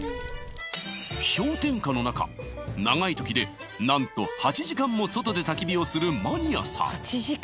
氷点下の中長い時で何と８時間も外で焚き火をするマニアさん